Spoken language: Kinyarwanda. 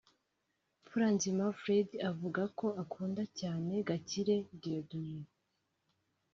Mfuranzima Fred avuga ko akunda cyane Gakire Dieudonne